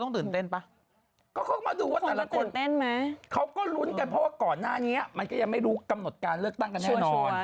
ตื่นเต้นป่ะก็เขาก็มาดูว่าแต่ละคนเต้นไหมเขาก็ลุ้นกันเพราะว่าก่อนหน้านี้มันก็ยังไม่รู้กำหนดการเลือกตั้งกันแน่นอน